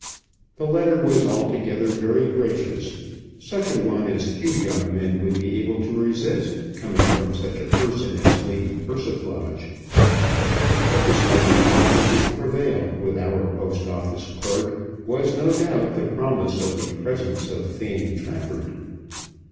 This letter was altogether very gracious, such a one as few young men would be able to resist coming from such a person as Lady Persiflage. But the special offer which prevailed with our Post Office clerk was no doubt the promise of the presence of Fanny Trafford.